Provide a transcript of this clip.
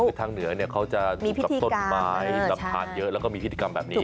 คือทางเหนือเนี่ยเขาจะอยู่กับต้นไม้รับทานเยอะแล้วก็มีพิธีกรรมแบบนี้